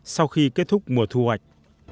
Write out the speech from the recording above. sau khi kết thúc mùa thu hoạch